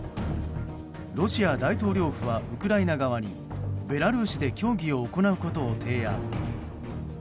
ロシア大統領府はウクライナ側にベラルーシで協議を行うことを提案。